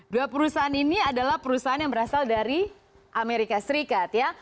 dua perusahaan ini adalah perusahaan yang berasal dari amerika serikat ya